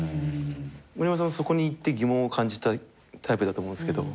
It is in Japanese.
森山さんはそこに行って疑問を感じたタイプだと思うんすけど。